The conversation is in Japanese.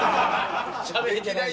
しゃべれてないぞ。